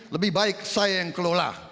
lebih baik saya yang kelola